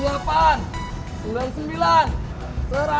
hei kau mau nombor baru